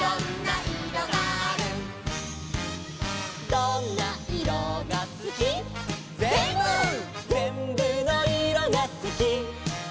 「どんないろがすき」「ぜんぶ」「ぜんぶのいろがすき」